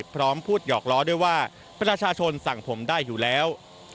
พร้อมพูดหยอกล้อด้วยว่าประชาชนสั่งผมได้อยู่แล้ว